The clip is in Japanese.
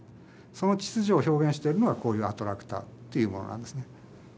その秩序を表現しているのがこういうアトラクターっていうものなんですね。